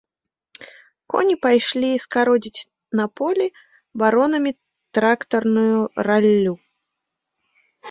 Коні пайшлі скародзіць на полі баронамі трактарную раллю.